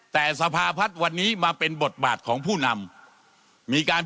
แต่สภาพัฒน์วันนี้มาเป็นบทบาทของผู้นำมีการ